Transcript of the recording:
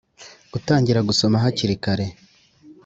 gutangira gusoma hakiri kare,